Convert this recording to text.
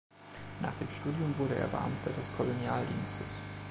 Nach dem Studium wurde er Beamter des Kolonialdienstes.